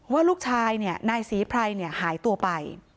ว่าลูกชายนายศรีไพรหายตัวไป